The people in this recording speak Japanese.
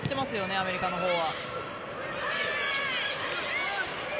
アメリカのほうは。